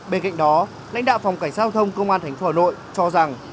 bên cạnh đó lãnh đạo phòng cảnh giao thông công an thành phố hà nội cho rằng